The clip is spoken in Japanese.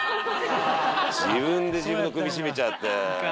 自分で自分の首絞めちゃって。